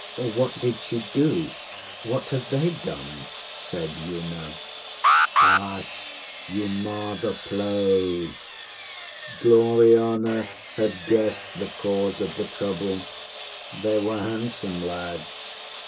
What did she do? What had they done? ŌĆÖ said Una. ŌĆśHsh! You mar the play! Gloriana had guessed the cause of the trouble. They were handsome lads.